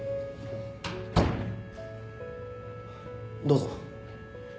どうぞ。